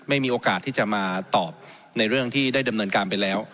มีโอกาสที่จะมาตอบในเรื่องที่ได้ดำเนินการไปแล้ว